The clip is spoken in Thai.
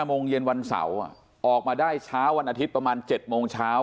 โมงเย็นวันเสาร์ออกมาได้เช้าวันอาทิตย์ประมาณ๗โมงเช้า